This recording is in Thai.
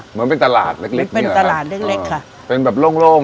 เหมือนเป็นตลาดเล็กเล็กเป็นตลาดเล็กเล็กค่ะเป็นแบบโล่งโล่ง